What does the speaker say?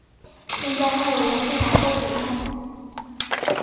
现在还有人会买报纸吗？